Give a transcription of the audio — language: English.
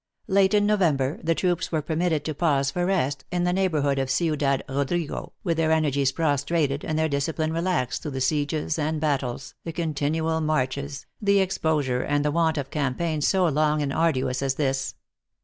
Late in November the troops were permitted to pause for rest, in the neighborhood of Ciudad Rodrigo, with their energies prostrated and their discipline relaxed through the sieges and battles, the continual marches, the exposure and the want of a campaign so long and 1* 18 THE ACTRESS IN HIGH LIFE. arduous as this.